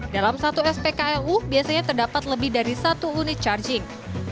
dalam satu spklu biasanya terdapat lebih dari satu unit charging